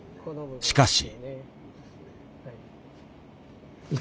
しかし。